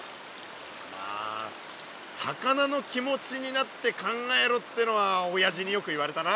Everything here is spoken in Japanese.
まあ魚の気持ちになって考えろってのはおやじによく言われたな。